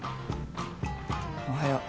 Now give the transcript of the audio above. ・おはよう。